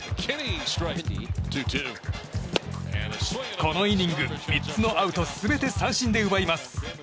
このイニング、３つのアウト全て三振で奪います。